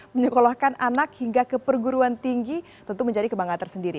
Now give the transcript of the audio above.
menyekolahkan anak hingga ke perguruan tinggi tentu menjadi kebanggaan tersendiri